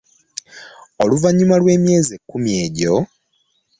Oluvannyuma lw'emyezi kkumi egyo